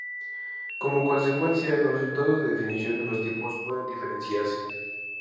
Como consecuencia, los resultados de definición de los tipos pueden diferenciarse.